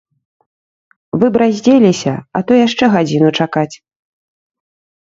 Вы б раздзеліся, а то яшчэ гадзіну чакаць.